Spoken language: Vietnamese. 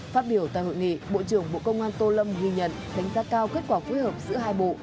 phát biểu tại hội nghị bộ trưởng bộ công an tô lâm ghi nhận đánh giá cao kết quả phối hợp giữa hai bộ